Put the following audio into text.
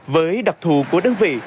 với đặc thù của đơn vị